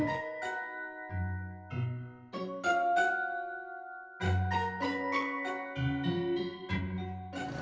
tapi ada permintaan nya